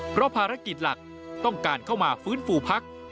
เพราะภารกิจหลักต้องการเข้ามาฟื้นฟูพัก